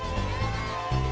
kita bikinnya banyak juga